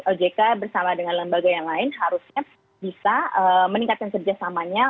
ojk bersama dengan lembaga yang lain harusnya bisa meningkatkan kerjasamanya